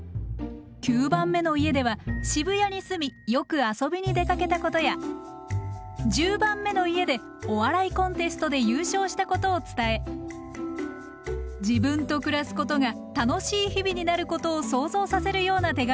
９番目の家では渋谷に住みよく遊びに出かけたことや１０番目の家でお笑いコンテストで優勝したことを伝え自分と暮らすことが楽しい日々になることを想像させるような手紙を書いています。